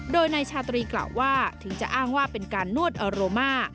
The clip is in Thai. โดยนายชาตรีกล่าวว่าถึงจะอ้างว่าเป็นการนวดอโรมา